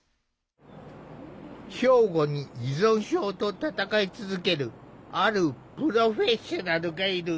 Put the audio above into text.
兵庫に依存症と闘い続けるあるプロフェッショナルがいる。